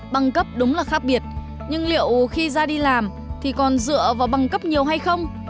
bằng cấp đúng là khác biệt nhưng liệu khi ra đi làm thì còn dựa vào bằng cấp nhiều hay không